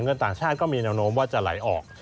ต่างชาติก็มีแนวโน้มว่าจะไหลออก